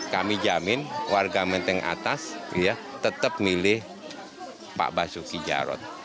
kami jamin warga menteng atas tetap milih pak basuki jarot